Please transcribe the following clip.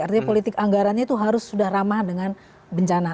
artinya politik anggarannya itu harus sudah ramah dengan bencana